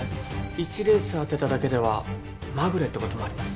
１レース当てただけではまぐれってこともあります。